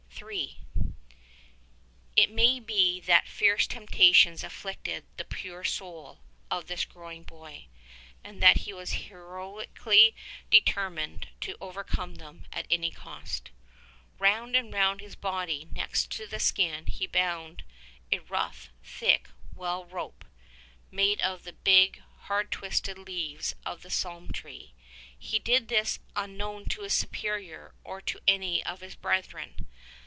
153 III. It may be that fierce temptations afflicted the pure soul of this growing boy, and that he was heroically determined to overcome them at any cost. Round and round his body next to the skin he bound a rough, thick well rope, made of the big, hard twisted leaves of the palm tree. He did this unknown to his Superior or to any of his brethren.